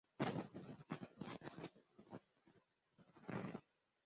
Umugabo ufite ingofero yubururu na t-shirt yumweru ahagarara iruhande rwimodoka nto yera